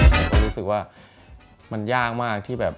ผมก็รู้สึกว่ามันยากมากที่แบบ